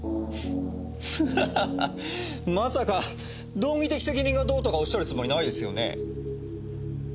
ハハハハまさか道義的責任がどうとかおっしゃるつもりないですよね？